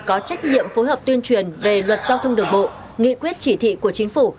có trách nhiệm phối hợp tuyên truyền về luật giao thông đường bộ nghị quyết chỉ thị của chính phủ